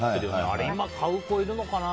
あれ今買う子いるのかな？